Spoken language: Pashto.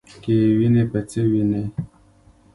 کې وینې په څه یې وینې ؟